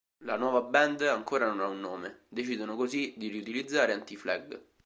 La nuova band ancora non ha un nome, decidono così di riutilizzare Anti-Flag.